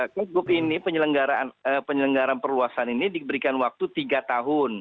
kbup ini penyelenggaraan perluasan ini diberikan waktu tiga tahun